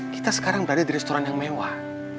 kita sekarang berada di restoran yang mewah